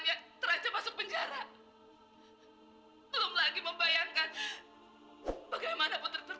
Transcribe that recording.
apakah mereka memberi perhatian mother